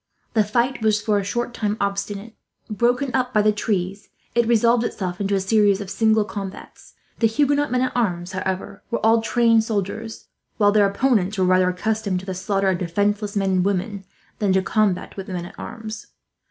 The fight was, for a short time, obstinate. Broken up by the trees, it resolved itself into a series of single combats. The Huguenot men at arms, however, were all tried soldiers; while their opponents were, rather, accustomed to the slaughter of defenceless men and women than to a combat with men at arms.